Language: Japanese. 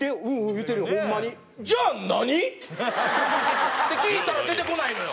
言うてるよホンマに。って聞いたら出てこないのよ。